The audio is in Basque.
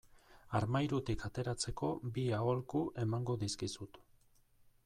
Armairutik ateratzeko bi aholku emango dizkizut.